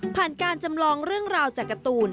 การจำลองเรื่องราวจากการ์ตูน